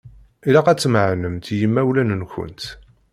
Ilaq ad tmeεnemt d yimawlan-nkent.